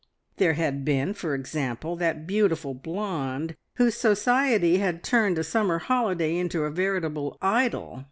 There had been, for example, that beautiful blonde whose society had turned a summer holiday into a veritable idyll.